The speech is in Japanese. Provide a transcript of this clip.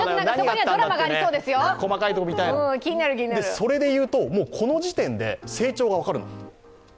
それで言うと、この時点で成長が分かるの。